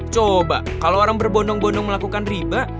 coba kalau orang berbondong bondong melakukan riba